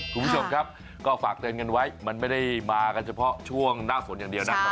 คุณผู้ชมครับก็ฝากเตือนกันไว้มันไม่ได้มากันเฉพาะช่วงหน้าฝนอย่างเดียวนะครับ